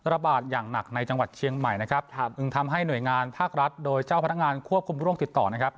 ระบาดอย่างหนักในจังหวัดเชียงใหม่นะครับจึงทำให้หน่วยงานภาครัฐโดยเจ้าพนักงานควบคุมโรคติดต่อนะครับ